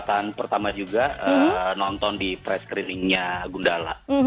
kepada kesempatan pertama juga nonton di press screening nya gundala